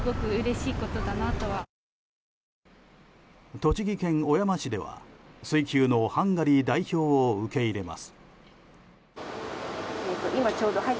栃木県小山市では、水球のハンガリー代表を受け入れます。